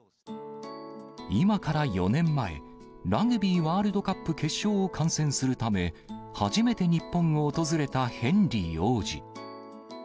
今から４年前、ラグビーワールドカップ決勝を観戦するため、初めて日本を訪れたヘンリー王子。